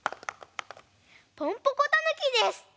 ポンポコたぬきです！